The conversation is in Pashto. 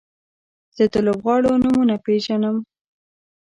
زه د لوبغاړو نومونه پیژنم.